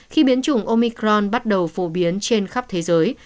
khi biến chủng omicron bắt đầu phổ biến trên khắp thế giới